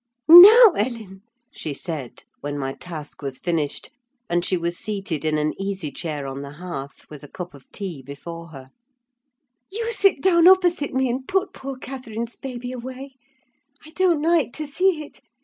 "Now, Ellen," she said, when my task was finished and she was seated in an easy chair on the hearth, with a cup of tea before her, "you sit down opposite me, and put poor Catherine's baby away: I don't like to see it!